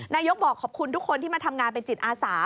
นายกบอกขอบคุณทุกคนที่มาทำงานเป็นจิตอาสา